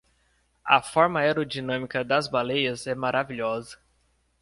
A forma aerodinâmica das baleias é maravilhosa.